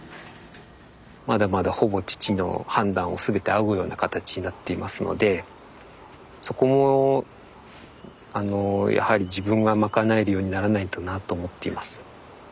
まだまだほぼ父の判断を全て仰ぐような形になっていますのでそこもあのやはり自分が賄えるようにならないとなと思っています。